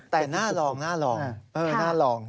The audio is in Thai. แต่น่าลองน่าลอง